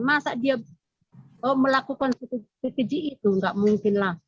masa dia melakukan strategi itu nggak mungkin lah